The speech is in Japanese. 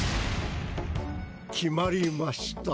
決まりました！